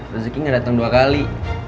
rezeki gak dateng dua kali